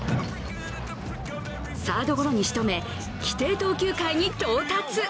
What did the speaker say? サードゴロに仕留め、規定投球回に到達。